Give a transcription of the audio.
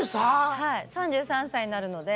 はい３３歳になるので。